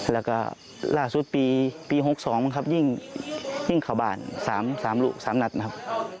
แล้วก็ล่าสุดปีปี๖๒มันครับยิ่งขาวบ้าน๓ลูก๓นัทนะครับ